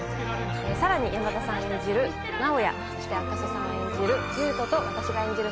さらに山田さん演じる直哉そして赤楚さん演じる優斗と私が演じる